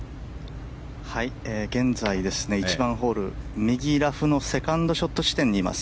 現在、１番ホール右ラフのセカンドショット地点にいます。